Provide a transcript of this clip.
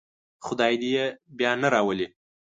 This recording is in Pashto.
خدای دې یې بیا نه راولي.